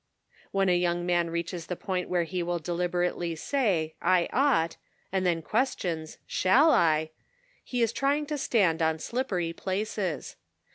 When a young man reaches the point where he will deliberately say, " I ought," and then questions, " Shall I ?" he is trying to stand on slippery places.